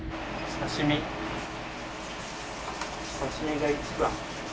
刺身が一番。